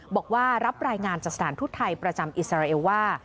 บอกว่ารับรายงานจากสถานทูตไทยประจำอิสราเอลว่า